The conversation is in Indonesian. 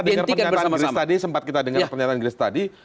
tapi kalau kita dengar pernyataan grace tadi sempat kita dengar pernyataan grace tadi